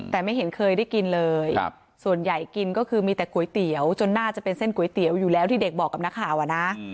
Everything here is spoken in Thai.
แต่ไม่เห็นเคยได้กินเลยส่วนใหญ่กินก็คือมีแต่ก๋วยเตี๋ยวจนน่าจะเป็นเส้นก๋วยเตี๋ยวอยู่แล้วที่เด็กบอกกับนักข่าวอะนะ